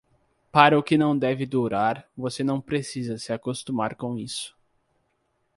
Para o que não deve durar, você não precisa se acostumar com isso.